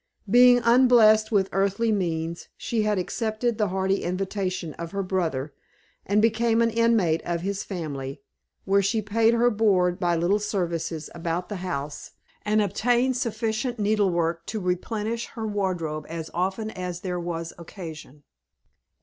Being unblessed with earthly means, she had accepted the hearty invitation of her brother, and become an inmate of his family, where she paid her board by little services about the house, and obtained sufficient needle work to replenish her wardrobe as often as there was occasion.